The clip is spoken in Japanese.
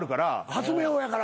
発明王やから。